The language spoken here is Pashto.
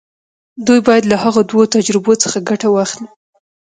دوی بايد له هغو دوو تجربو څخه ګټه واخلي.